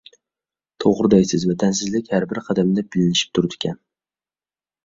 توغرا دەيسىز. ۋەتەنسىزلىك ھەربىر قەدەمدە بىلىنىشىپ تۇرىدىكەن.